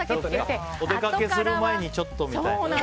お出かけする前にちょっとみたいな。